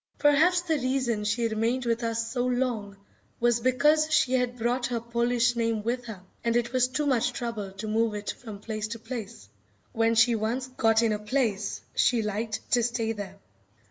Perhaps the reason she remained with us so long was because she had brought her Polish name with her, and it was too much trouble to move it from place to place. When she once got in a place, she liked to stay there.